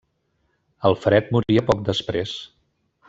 Alfred moria poc després.